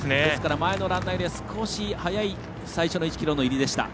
前のランナーよりは少し速い最初の１ｋｍの入りでした。